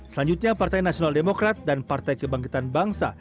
selanjutnya partai nasional demokrat dan partai kebangkitan bangsa